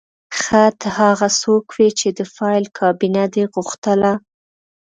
ښه ته هغه څوک وې چې د فایل کابینه دې غوښتله